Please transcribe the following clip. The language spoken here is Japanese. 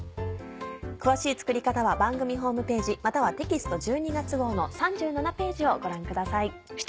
詳しい作り方は番組ホームページまたはテキスト１２月号の３７ページをご覧ください。